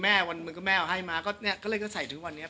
แม่เอาให้มาก็เลยก็ใส่ทุกวันเนี่ย